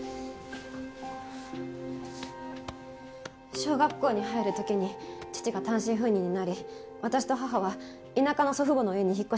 小学校に入る時に父が単身赴任になり私と母は田舎の祖父母の家に引っ越しました。